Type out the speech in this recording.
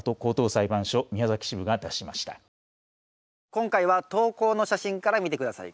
今回は投稿の写真から見て下さい。